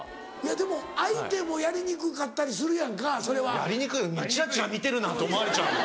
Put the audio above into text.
でも相手もやりにくかったりするやんかそれは。やりにくいよちらちら見てるなって思われちゃう。